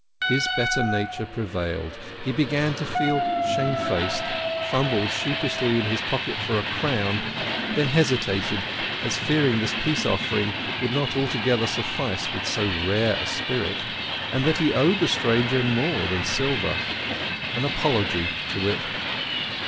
His better nature prevailed ; he began to feel shamefaced, fumbled sheepishly in his pocket for a crown ; then hesitated, as fearing this peace offering would not altogether suffice with so rare a spirit, and that he owed the stranger more than silver an apology to wit.